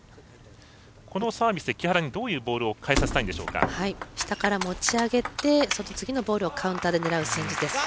このサービスで木原にどういうボールを下から持ち上げて次のボールをカウンターで狙う戦術です。